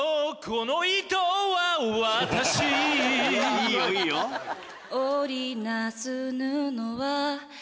いいよいいよ！えっ？